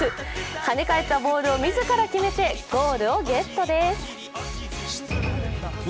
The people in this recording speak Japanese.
跳ね返ったボールを自ら決めてゴールをゲットです。